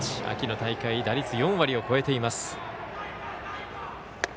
秋の大会打率４割を超えています。